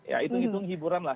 ya itu ngitung hiburan lah